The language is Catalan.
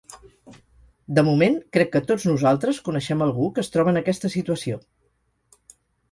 De moment, crec que tots nosaltres coneixem algú que es troba en aquesta situació.